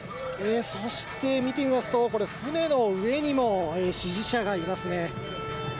そして見てみますと、これ、船の上にも支持者がいますね。